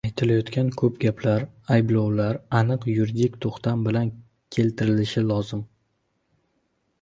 Aytilayotgan koʻp gaplar, ayblovlar aniq yuridik toʻxtam bilan keltirilishi lozim.